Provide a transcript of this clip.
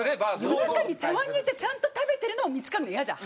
夜中に茶碗に入れてちゃんと食べてるのを見付かるのもイヤじゃん。